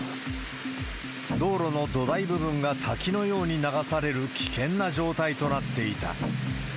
道路の土台部分が滝のように流される危険な状態となっていた。